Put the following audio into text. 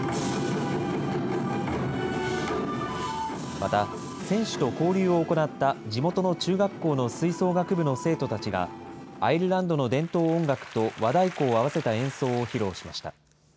また選手と交流を行った地元の中学校の吹奏楽部の生徒たちが、アイルランドの伝統音楽と和太鼓を合わせた演奏を披露しました。